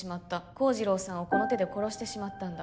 「幸次郎さんをこの手で殺してしまったんだ」